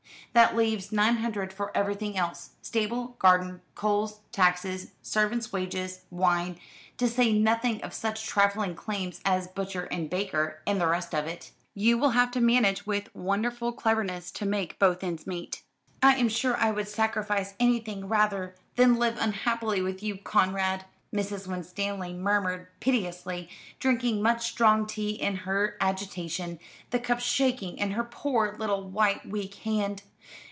That leaves nine hundred for everything else stable, garden, coals, taxes, servants' wages, wine to say nothing of such trifling claims as butcher and baker, and the rest of it. You will have to manage with wonderful cleverness to make both ends meet." "I am sure I would sacrifice anything rather than live unhappily with you, Conrad," Mrs. Winstanley murmured piteously, drinking much strong tea in her agitation, the cup shaking in her poor little white weak hand.